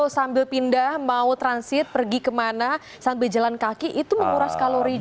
sambil pindah mau transit pergi kemana sambil jalan kaki itu menguras kalori